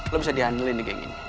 lo bisa di handlein di geng ini